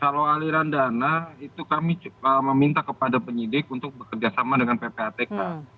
kalau aliran dana itu kami meminta kepada penyidik untuk bekerjasama dengan ppatk